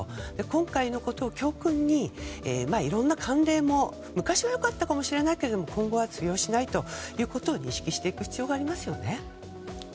今回のことを教訓にいろんな慣例も昔は良かったかもしれないけど今後は通用しないと認識していく必要がありますよね。